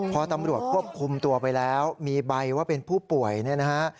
พอตำรวจควบคุมตัวไปแล้วมีใบว่าเป็นผู้ป่วยเนี่ยนะฮะ